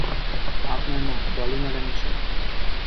আপনার না, ডলি ম্যাডামের শট।